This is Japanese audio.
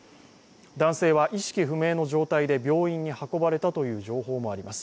男性は意識不明の状態で病院に運ばれたという情報もあります。